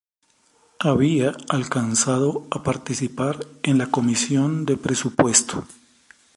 Había alcanzado a participar en la Comisión de Presupuesto.